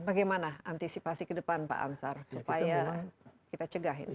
bagaimana antisipasi ke depan pak ansar supaya kita cegah ini